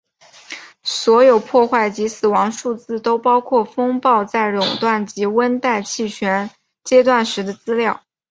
所有破坏及死亡数字都包括风暴在扰动及温带气旋阶段时的资料。